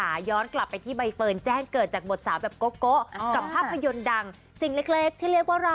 ย้อนกลับไปที่ใบเฟิร์นแจ้งเกิดจากบทสาวแบบโกะกับภาพยนตร์ดังสิ่งเล็กที่เรียกว่าเรา